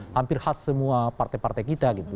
hampir khas semua partai partai kita gitu